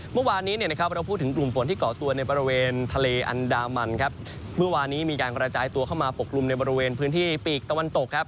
เมื่อวานนี้เนี่ยนะครับเราพูดถึงกลุ่มฝนที่เกาะตัวในบริเวณทะเลอันดามันครับเมื่อวานนี้มีการกระจายตัวเข้ามาปกกลุ่มในบริเวณพื้นที่ปีกตะวันตกครับ